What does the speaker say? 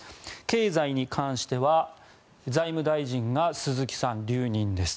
経済に関しては財務大臣が鈴木さん、留任です。